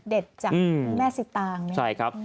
เด็ดจากแม่สีตางใช่ครับ